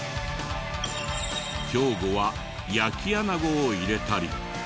兵庫は焼きアナゴを入れたり。